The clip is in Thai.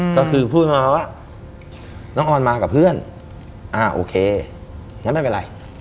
ก็คือพูดมาว่าน้องออนมากับเพื่อนอ่าโอเคงั้นไม่เป็นไร